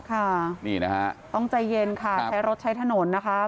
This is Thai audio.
ค่ะนี่นะฮะต้องใจเย็นค่ะใช้รถใช้ถนนนะคะ